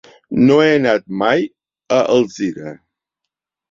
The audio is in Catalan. No he anat mai a Alzira.